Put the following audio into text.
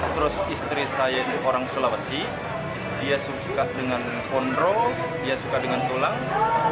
terus istri saya ini orang sulawesi dia suka dengan pondro dia suka dengan tulang